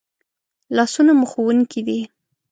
لاسونه مو ښوونکي دي